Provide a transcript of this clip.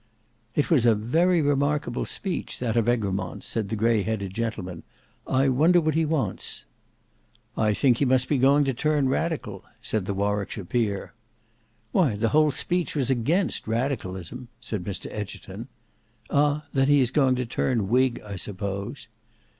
"It was a very remarkable speech—that of Egremont," said the grey headed gentleman. "I wonder what he wants." "I think he must be going to turn radical," said the Warwickshire peer. "Why the whole speech was against radicalism," said Mr Egerton. "Ah, then he is going to turn whig, I suppose."